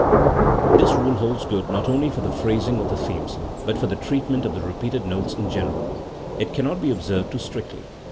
This rule holds good not only for the phrasing of the themes, but for the treatment of the repeated notes in general. It cannot be observed too strictly.